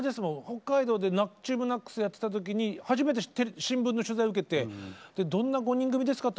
北海道でＴＥＡＭＮＡＣＳやってた時に初めて新聞の取材受けて「どんな５人組ですか？」